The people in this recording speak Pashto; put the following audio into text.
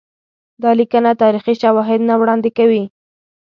دا لیکنه تاریخي شواهد نه وړاندي کوي.